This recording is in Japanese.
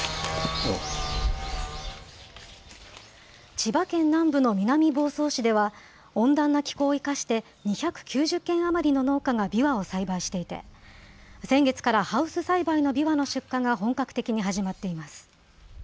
千葉県南部の南房総市では、温暖な気候を生かして、２９０軒余りの農家がびわを栽培していて、先月からハウス栽培のびわの出荷が本格的に始まっています。